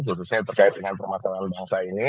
khususnya terkait dengan permasalahan bangsa ini